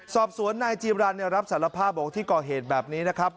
สอบสวนนายจีบรันรับสารภาพบอกว่าที่ก่อเหตุแบบนี้นะครับ